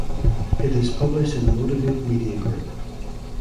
It is published in Motivate Media Group.